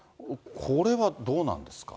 これはどうなんですか？